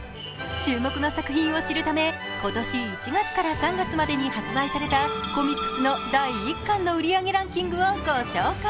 注目の作品を知るため今年１月から３月までに発売されたコミックスの第１巻の売り上げランキングをご紹介。